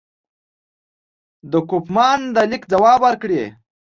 د کوفمان د لیک ځواب ورکړي.